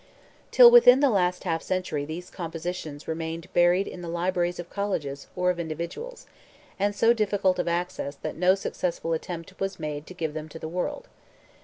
Till within the last half century these compositions remained buried in the libraries of colleges or of individuals, and so difficult of access that no successful attempt was made to give them to the world.